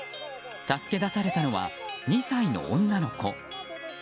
助け出されたのは２歳の女の子。